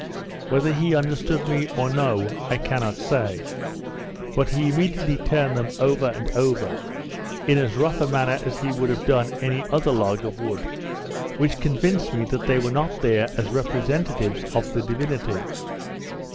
Whether he understood me or no, I cannot say; but he immediately turned them over and over, in as rough a manner as he would have done any other log of wood, which convinced me that they were not there as representatives of the Divinity.